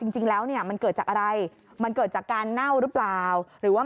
จริงแล้วเนี่ยมันเกิดจากอะไรมันเกิดจากการเน่าหรือเปล่าหรือว่า